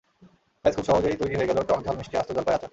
ব্যাস খুব সহজেই তৈরি হয়ে গেল টক-ঝাল-মিষ্টি আস্ত জলপাইয়ের আচার।